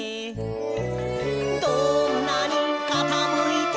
「どんなにかたむいても」